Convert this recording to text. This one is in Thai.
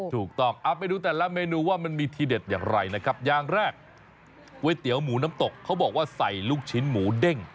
ถูกต้องเอาไปดูแต่ละเมนูว่ามันมีทีเด็ดอย่างไรนะครับอย่างแรกก๋วยเตี๋ยวหมูน้ำตกเขาบอกว่าใส่ลูกชิ้นหมูเด้ง